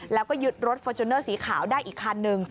แล้วก็ยึดรถฟอร์จูเนอร์สีขาวได้อีกคันนึง